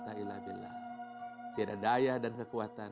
tidak daya dan kekuatan